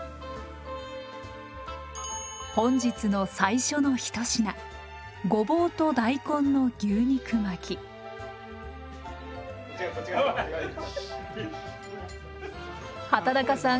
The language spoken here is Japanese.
本日の最初の一品畠中さん